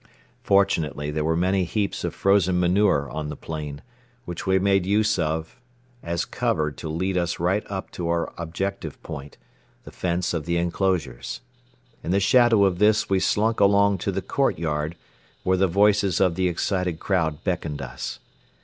Fortunately there were many heaps of frozen manure on the plain, which we made use of as cover to lead us right up to our objective point, the fence of the enclosures. In the shadow of this we slunk along to the courtyard where the voices of the excited crowd beckoned us.